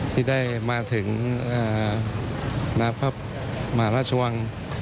ที่ได้มาถึงณพระมหาราชวัง